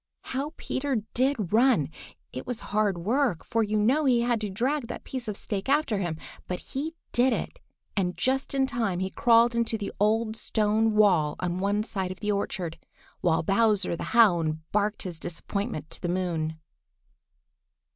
How Peter did run! It was hard work, for you know he had to drag that piece of stake after him. But he did it, and just in time he crawled into the old stone wall on one side of the orchard, while Bowser the Hound barked his disappointment to the moon.